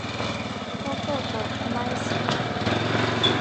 東京都狛江市